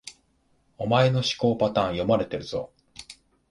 お前の思考パターン、読まれてるぞ